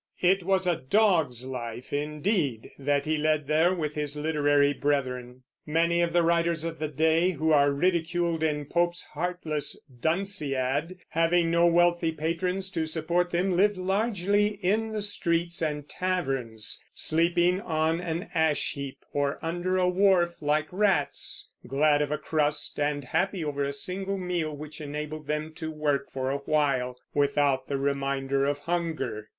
It was a dog's life, indeed, that he led there with his literary brethren. Many of the writers of the day, who are ridiculed in Pope's heartless Dunciad, having no wealthy patrons to support them, lived largely in the streets and taverns, sleeping on an ash heap or under a wharf, like rats; glad of a crust, and happy over a single meal which enabled them to work for a while without the reminder of hunger.